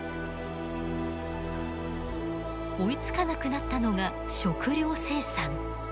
追いつかなくなったのが食糧生産。